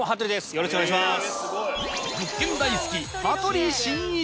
よろしくお願いします。